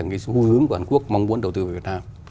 hướng quản quốc mong muốn đầu tư về việt nam